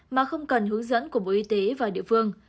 mà không cần hướng dẫn của bộ y tế và địa phương